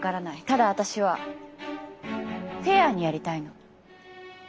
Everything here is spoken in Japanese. ただ私はフェアにやりたいの。